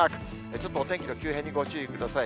ちょっとお天気の急変にご注意ください。